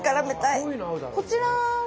こちらは？